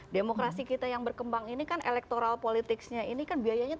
demokrasi kita yang berkembang ini kan elektoral politicsnya ini kan biayanya